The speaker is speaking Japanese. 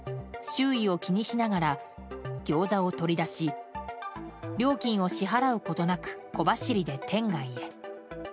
周囲を気にしながらギョーザを取り出し料金を支払うことなく小走りで店外へ。